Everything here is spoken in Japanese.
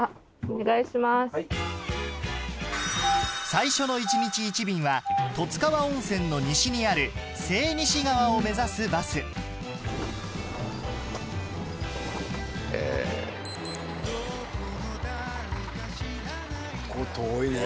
最初の１日１便は十津川温泉の西にある迫西川を目指すバス遠いね。